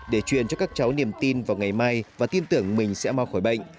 để truyền cho các cháu niềm tin vào ngày mai và tin tưởng mình sẽ mau khỏi bệnh